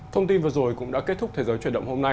thông tin vừa rồi cũng đã kết thúc thế giới chuyển động hôm nay